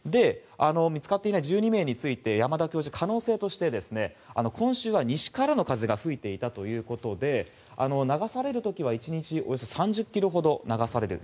見つかっていない１２名について山田教授は可能性として、今週は西からの風が吹いていたということで流される時は１日およそ３０ｋｍほど流されている。